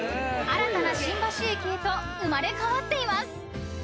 ［新たな新橋駅へと生まれ変わっています］